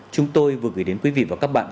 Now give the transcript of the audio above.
chúng tôi vừa gửi đến quý vị và các bạn